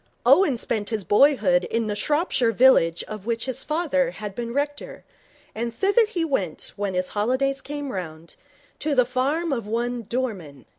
Owen spent his boyhood in the Shropshire village of which his father had been rector, and thither he went when his holiday came round, to the farm of one Dorman.